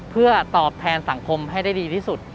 เพื่อตอบแทนสังคมให้ได้ดีที่สุด